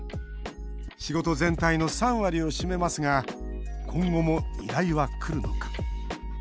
仕事全体の３割を占めますが今後も依頼はくるのか。